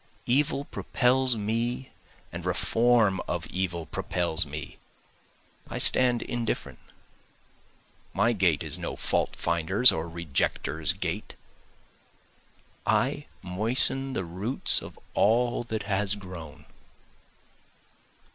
Evil propels me and reform of evil propels me, I stand indifferent, My gait is no fault finder's or rejecter's gait, I moisten the roots of all that has grown.